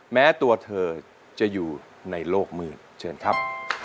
แม้ตัวเธอจะอยู่ในโลกมืดเชิญครับ